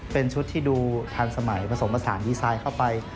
เป็นชุดที่ดูทันสมัยผสมผสานดีไซน์เข้าไป